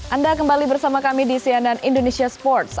anda kembali bersama kami di cnn indonesia sports